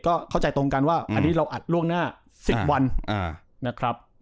ก็เข้าใจตรงกันว่าอันนี้เราอัดล่วงหน้า๑๐วันนะครับ